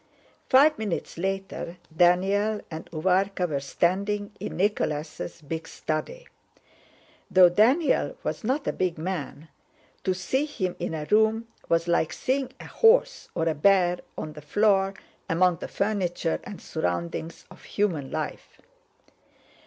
Five minutes later Daniel and Uvárka were standing in Nicholas' big study. Though Daniel was not a big man, to see him in a room was like seeing a horse or a bear on the floor among the furniture and surroundings of human life.